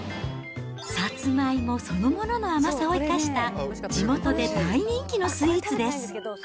さつまいもそのものの甘さを生かした地元で大人気のスイーツです。